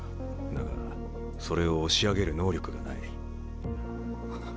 だがそれを押し上げる能力がない。